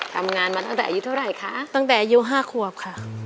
ทำงานมาตั้งแต่อายุเท่าไหร่คะตั้งแต่อายุ๕ขวบค่ะ